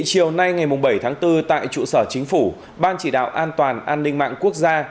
chiều nay ngày bảy tháng bốn tại trụ sở chính phủ ban chỉ đạo an toàn an ninh mạng quốc gia